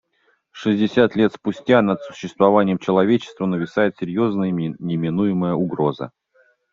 Шестьдесят лет спустя над существованием человечества нависает серьезная и неминуемая угроза.